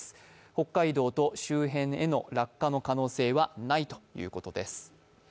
北海道と周辺への落下の可能性はないということです。